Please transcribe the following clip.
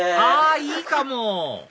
あいいかも！